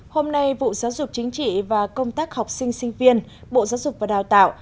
hôm nay vụ giáo dục chính trị và công tác học sinh sinh viên bộ giáo dục và đào tạo